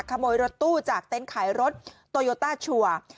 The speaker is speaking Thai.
ขโมยรถตู้จากเต็นต์ขายรถโตโยต้าชัวร์